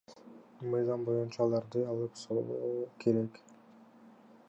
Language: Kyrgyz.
Мыйзам боюнча аларды алып салуу керек.